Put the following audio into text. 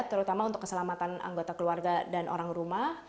terutama untuk keselamatan anggota keluarga dan orang rumah